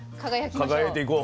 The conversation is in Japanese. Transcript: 輝いていこう。